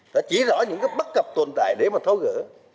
đã chỉ rõ những cái bất cập tồn tại để mà tháo gỡ